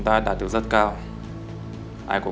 gái đâu rồi gái ơi